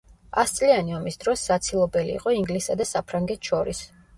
ასწლიანი ომის დროს საცილობელი იყო ინგლისსა და საფრანგეთს შორის.